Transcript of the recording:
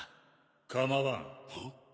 構わん。